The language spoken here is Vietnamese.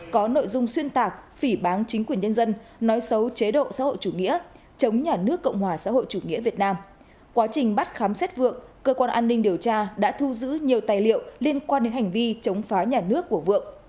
cơ quan an ninh điều tra đã thu giữ nhiều tài liệu liên quan đến hành vi chống phá nhà nước của vượng